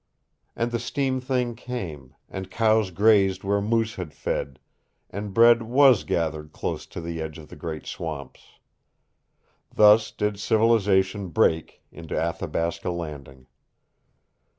And the steam thing came, and cows grazed where moose had fed, and bread WAS gathered close to the edge of the great swamps. Thus did civilization break into Athabasca Landing.